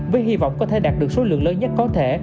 với hy vọng có thể đạt được số lượng lớn nhất có thể